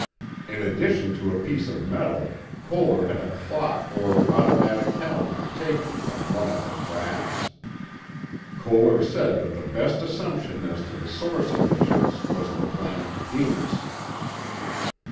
In addition to a piece of metal, Koehler had a clock or automatic calendar taken from one of the crafts. Koehler said that the best assumption as to the source of the ships was the planet Venus.